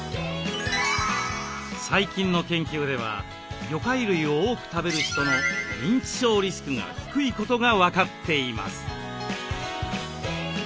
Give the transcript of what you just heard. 最近の研究では魚介類を多く食べる人の認知症リスクが低いことが分かっています。